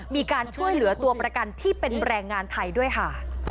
มีการช่วยเหลือตัวประกันที่เป็นแรงงานไทยด้วยค่ะ